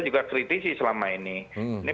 juga kritisi selama ini ini